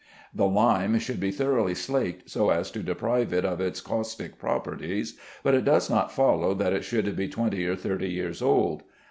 The lime should be thoroughly slaked, so as to deprive it of its caustic properties, but it does not follow that it should be twenty or thirty years old.